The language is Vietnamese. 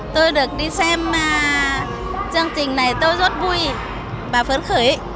tôi được đi xem chương trình này tôi rất vui và phấn khởi